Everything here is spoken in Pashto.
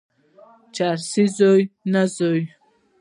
چرسي زوی، نه زوی.